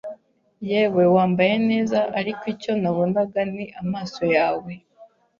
Yewe wambaye neza ariko icyo nabonaga ni amaso yawe